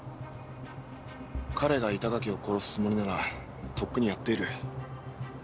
彼が板垣を殺すつもりならとっくにやっている。